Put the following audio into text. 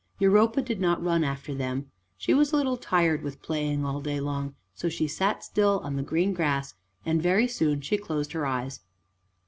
Europa did not run after them. She was a little tired with playing all day long, so she sat still on the green grass and very soon she closed her eyes.